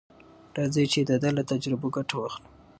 راځئ چې د ده له تجربو ګټه واخلو.